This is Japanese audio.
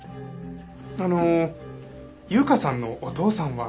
あの優香さんのお父さんは？